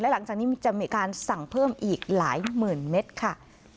หลังจากนี้จะมีการสั่งเพิ่มอีกหลายหมื่นเมตรค่ะ